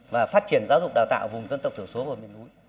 và phát triển giáo dục đào tạo vùng dân tộc thiểu số và miền núi